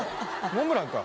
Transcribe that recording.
モンブランか。